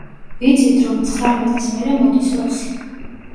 ვიცით, რომ ცხრამეტის მერე მოდის ოცი.